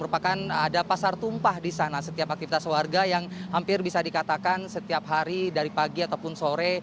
ada pasar tumpah di sana setiap aktivitas warga yang hampir bisa dikatakan setiap hari dari pagi ataupun sore